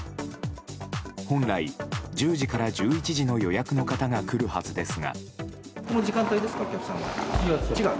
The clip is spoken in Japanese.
本来、１０時から１１時の予約の方が来るはずですが。